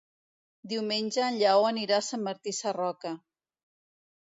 Diumenge en Lleó anirà a Sant Martí Sarroca.